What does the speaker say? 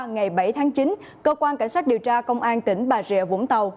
ngày bảy tháng chín cơ quan cảnh sát điều tra công an tỉnh bà rịa vũng tàu